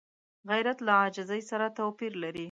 غیرت له عاجزۍ سره توپیر لري